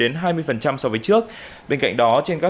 bên cạnh đó trên các sản phẩm các loại bình chữa cháy chống cháy